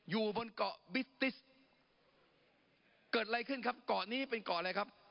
อยู่บนเกาะบิติสเกิดอะไรขึ้นครับเกาะนี้เป็นเกาะอะไรครับ